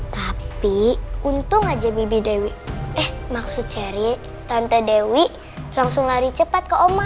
tapi untung aja bibi dewi eh maksud cherry tante dewi langsung lari cepat ke oma